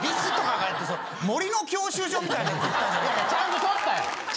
いやいやちゃんと取ったよ！